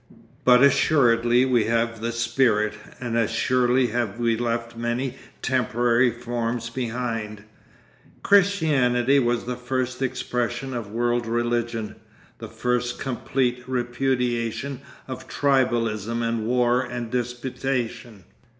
But assuredly we have the spirit, and as surely have we left many temporary forms behind. Christianity was the first expression of world religion, the first complete repudiation of tribalism and war and disputation.